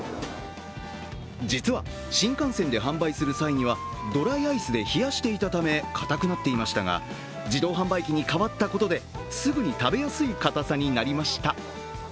実は新幹線で販売する際にはドライアイスで冷やしていたためかたくなっていましたが、自動販売に変わったことですぐに食べやすい、かたさになりました。